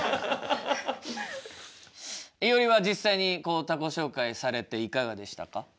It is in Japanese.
いおりは実際に他己紹介されていかがでしたか？